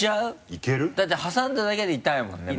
いける？だって挟んだだけで痛いもんね。